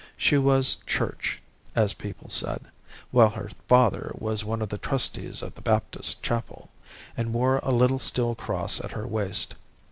She was Church as people said (while her father was one of the trustees of the Baptist Chapel) and wore a little steel cross at her waist.